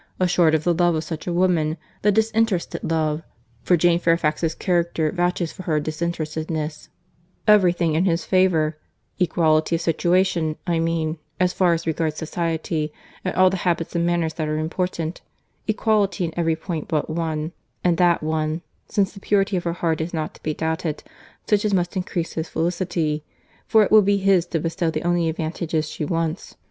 —Assured of the love of such a woman—the disinterested love, for Jane Fairfax's character vouches for her disinterestedness; every thing in his favour,—equality of situation—I mean, as far as regards society, and all the habits and manners that are important; equality in every point but one—and that one, since the purity of her heart is not to be doubted, such as must increase his felicity, for it will be his to bestow the only advantages she wants.